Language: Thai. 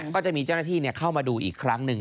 ก็จะมีเจ้าหน้าที่เข้ามาดูอีกครั้งหนึ่ง